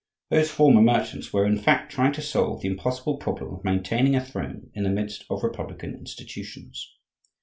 Those former merchants were in fact trying to solve the impossible problem of maintaining a throne in the midst of republican institutions.